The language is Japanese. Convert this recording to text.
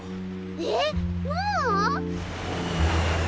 えっもう？